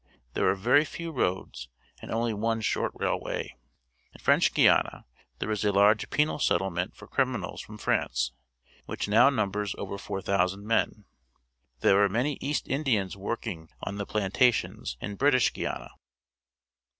There are xevy few roads and only one short railway. In French Guiana there is a large penal settlement for criminals from France, which now numbers over 4,000 men. There are many East Indians working on the plantations in British Guiana.